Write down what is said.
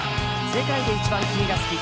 「世界で一番君が好き！」